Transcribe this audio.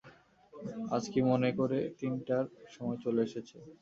আজ কী মনে করে তিনটার সময় চলে এসেছে।